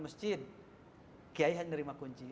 masjid kiai hanya menerima kunci